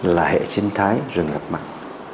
là hệ sinh thái rừng ngập mặt